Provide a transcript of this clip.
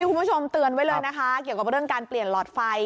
คุณผู้ชมเตือนไว้เลยนะคะเกี่ยวกับเรื่องการเปลี่ยนหลอดไฟ